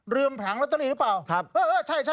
ลืมแผงลอตเตอรี่หรือเปล่าครับ